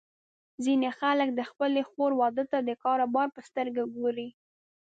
ځینې خلک د خپلې خور واده ته د کاروبار په سترګه ګوري.